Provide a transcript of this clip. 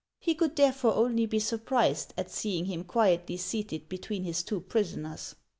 He could therefore only be surprised at seeing him quietly seated between his two prisoners.